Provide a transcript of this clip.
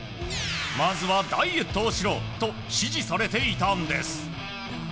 まずはダイエットをしろと指示されていたんです。